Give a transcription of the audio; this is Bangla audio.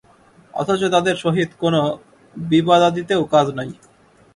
অথচ তাদের সহিত কোন বিবাদাদিতেও কাজ নাই।